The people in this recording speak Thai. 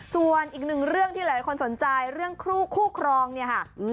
ส่วนอีกหนึ่งเรื่องที่หลายคนสนใจเรื่องคู่ครองเนี่ยค่ะ